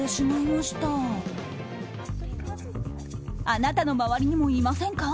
あなたの周りにもいませんか。